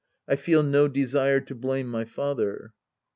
I feel no desire to blame my father."